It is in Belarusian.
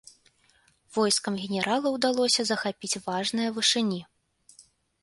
Войскам генерала ўдалося захапіць важныя вышыні.